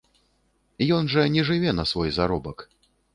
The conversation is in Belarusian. Ён жа не жыве на свой заробак.